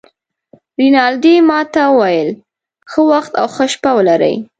رینالډي ما ته وویل: ښه وخت او ښه شپه ولرې.